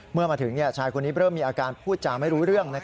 เมื่อมาถึงชายคนนี้เริ่มมีอาการพูดจาไม่รู้เรื่อง